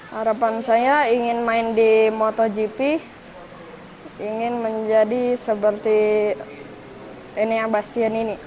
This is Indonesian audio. harapan saya ingin main di motogp ingin menjadi seperti enia bastian ini